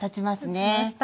立ちました。